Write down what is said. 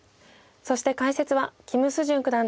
そして解説は金秀俊九段です。